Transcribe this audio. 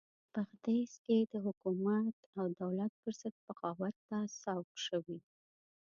بغدیس کې د حکومت او دولت پرضد بغاوت ته سوق شوي.